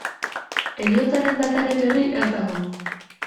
Heriotzaren dataren berri ez dago.